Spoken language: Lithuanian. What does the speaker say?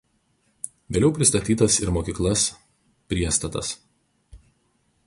Vėliau pristatytas ir mokyklas priestatas.